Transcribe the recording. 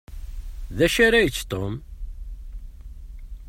D acu ara yečč Tom?